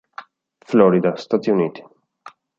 Florida, Stati Uniti.